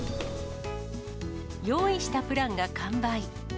用意したプランが完売。